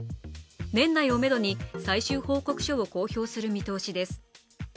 年内をめどに最終報告書を公表する見通しです